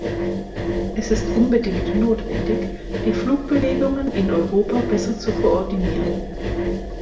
Es ist unbedingt notwendig, die Flugbewegungen in Europa besser zu koordinieren.